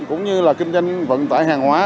cũng như là kinh doanh vận tải hành khách